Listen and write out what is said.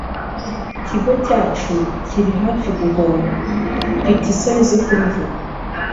Ikigo cyacu kiri hafi guhomba, mfite isoni zo kubivuga.